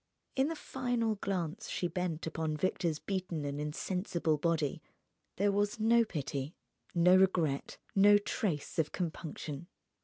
In the final glance she bent upon Victor's beaten and insensible body there was no pity, no regret, no trace of compunction.